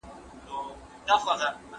بڼوال د بوټو مړاوې پاڼې ګوري.